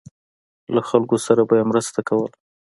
له خلکو سره به یې مرسته کوله.